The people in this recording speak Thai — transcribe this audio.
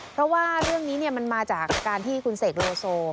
เพราะว่าเรื่องนี้มันมาจากการที่คุณเสกโลโซ